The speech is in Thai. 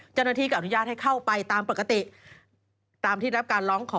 เจ้าหน้าที่ก็อนุญาตให้เข้าไปตามปกติตามที่รับการร้องขอ